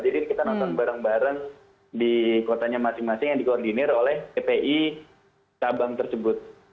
jadi kita nonton bareng bareng di kotanya masing masing yang dikoordinir oleh ppi tabang tersebut